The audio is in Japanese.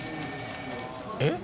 えっ？